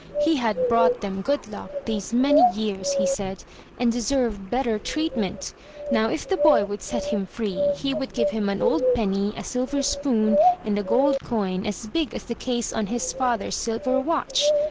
He had brought them good luck these many years, he said, and deserved better treatment. Now, if the boy would set him free, he would give him an old penny, a silver spoon, and a gold coin, as big as the case on his father's silver watch.